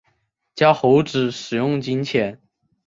教猴子使用金钱